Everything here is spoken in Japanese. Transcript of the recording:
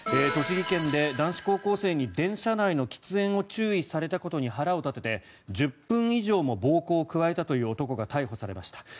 栃木県で男子高校生に電車内の喫煙を中止されたことに腹を立てて、１０分以上も暴行を加えたという男が逮捕されました。